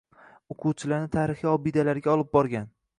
O‘quvchilarini tarixiy obidalariga olib brogan.